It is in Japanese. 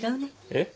えっ？